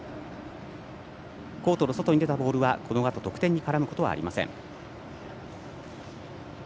コートの外に出たボールは得点に絡むことはありません。